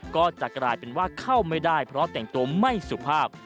ก็จะกลายเป็นว่าเข้าไม่ได้เพราะแต่งตัวไม่สุภาพ